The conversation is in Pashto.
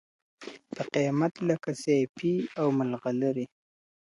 په قېمت لکه سېپۍ او مرغلري.